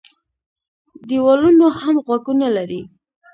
ـ دېوالونو هم غوږونه لري.